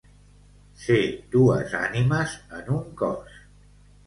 Ser dues ànimes en un cos.